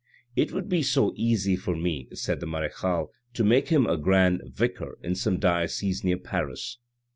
" It would be so easy for me," said the marechale, " to make him a grand vicar in some diocese near Paris